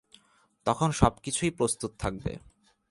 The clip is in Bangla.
তখন সব কিছুই প্রস্তুত থাকবে।